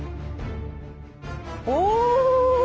お！